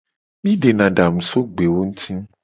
Mi dena adangu so gbewo nguti.